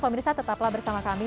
pemirsa tetaplah bersama kami